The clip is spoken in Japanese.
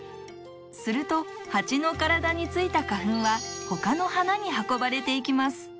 すると蜂のからだについた花粉は他のはなに運ばれていきます。